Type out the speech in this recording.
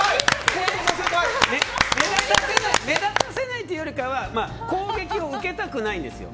目立たせないというよりは攻撃を受けたくないんですよ。